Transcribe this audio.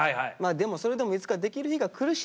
それでもいつかできる日がくるし。